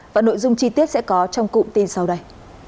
và nội dung chi tiết sẽ có trong cụm tin sau đây